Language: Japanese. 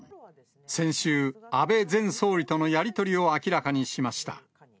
先週、安倍前総理とのやり取りを明らかにしました。